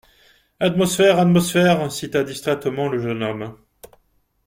Atmosphère, atmosphère, cita distraitement le jeune homme